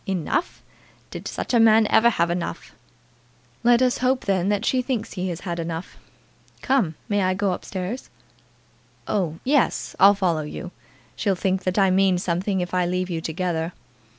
"Enough! Did such a man ever have enough?" "Let us hope, then, that she thinks he has had enough. Come; may I go up stairs?" "Oh, yes. I'll follow you. She'll think that I mean something if I leave you together."